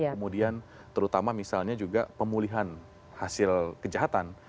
kemudian terutama misalnya juga pemulihan hasil kejahatan